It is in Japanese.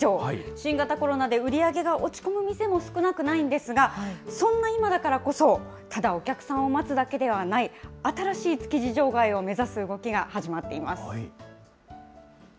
新型コロナで売り上げが落ち込む店も少なくないんですが、そんな今だからこそ、ただお客さんを待つだけではない、新しい築地場外を目指す動きが始まっています。